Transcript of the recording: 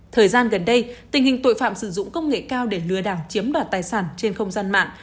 thời gian gần đây tình hình tội phạm sử dụng công nghệ cao để lừa đảo chiếm đoạt tài sản trên không gian mạng